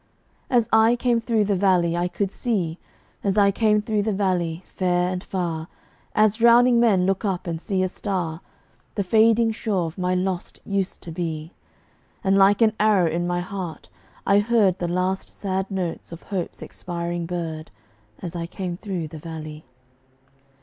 As I came through the valley I could see, As I came through the valley, fair and far, As drowning men look up and see a star, The fading shore of my lost Used to be; And like an arrow in my heart I heard The last sad notes of Hope's expiring bird, As I came through the valley.